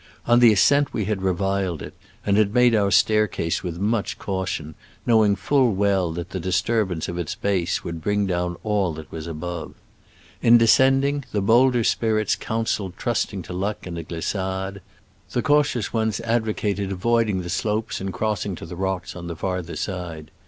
On the ascent we had reviled it, and had made our staircase with much caution, knowing full well that the disturbance of its base would bring down all that was above. In descending, the bolder spirits counseled trusting to luck and a glissade : the cautious ones advocated avoiding the slopes and crossing to the rocks on their farther side.